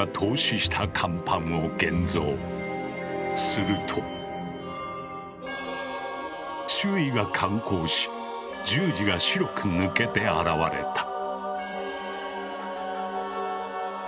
すると周囲が感光し十字が白く抜けて現れた。